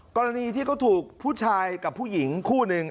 กรณีที่เขาถูกผู้ชายกับผู้หญิงคู่หนึ่ง